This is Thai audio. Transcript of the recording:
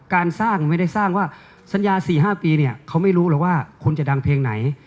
การสร้างไม่ได้สร้างว่าสัญญา๔๕ปีเนี่ยเขาไม่รู้หรอกว่าคุณจะดังเพลงไหน